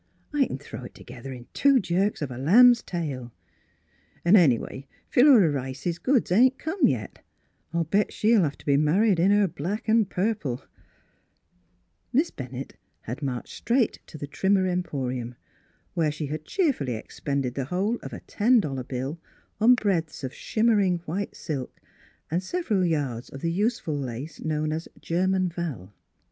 " I c'n throw it together in two jerks of a lamb's tail, an' any way Phi lura Rice's goods ain't come yet — I'll bet she'll have to be married in her black an' purple." Miss Philura's Wedding Gozvn Miss Bennett had marched straight to the Trimmer Emporium, where she had cheerfully expended the whole of a ten dollar bill on breadths of shimmering white silk and several yards of the useful lace known as " German Val."